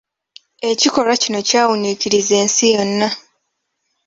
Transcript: Ekikolwa kino kyawuniikiriza ensi yonna.